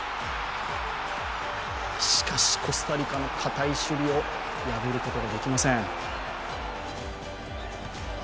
しかし、コスタリカの堅い守備を破ることができません。